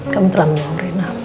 kamu telah menolong rena